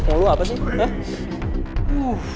waduh apa sih